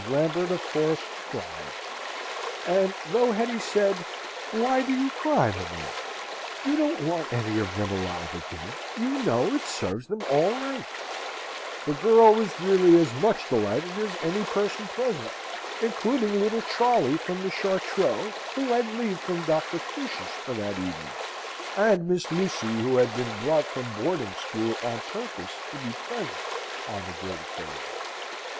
Lambert, of course, cried: and though Hetty said, "Why do you cry, mamma? I you don't want any of them alive again; you know it serves them all right" the girl was really as much delighted as any person present, including little Charley from the Chartreux, who had leave from Dr. Crusius for that evening, and Miss Lucy, who had been brought from boarding school on purpose to be present on the great occasion.